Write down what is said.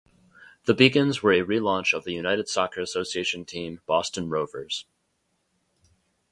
The Beacons were a relaunch of the United Soccer Association team Boston Rovers.